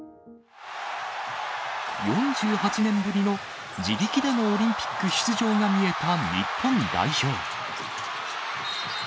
４８年ぶりの自力でのオリンピック出場が見えた日本代表。